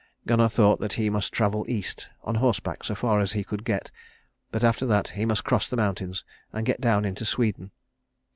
Gunnar thought that he must travel East on horseback so far as he could get, but after that, he must cross the mountains and get down into Sweden.